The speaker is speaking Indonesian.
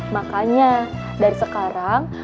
makanya dari sekarang